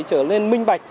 trở lên minh bạch